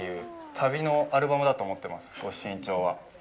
旅のアルバムだと思ってます、ご朱印帳は。